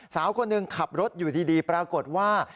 สาวคนหนึ่งขับรถอยู่ดีปรากฏว่า